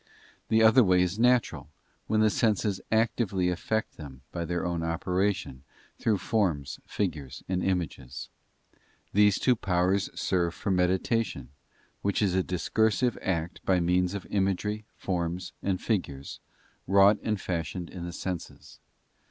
The other way is natural, when the senses actively effect them by their own operation, through forms, figures, and images. These two powers serve for meditation, which is a discursive act by means of imagery, forms, and figures, wrought and fashioned in the senses.